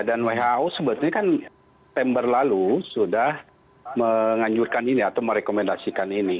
dan who sebetulnya kan september lalu sudah menganjurkan ini atau merekomendasikan ini